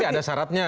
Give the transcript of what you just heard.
tapi ada syaratnya